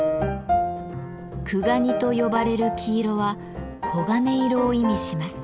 「くがに」と呼ばれる黄色は黄金色を意味します。